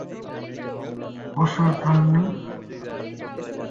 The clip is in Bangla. বসো, ডার্লিং।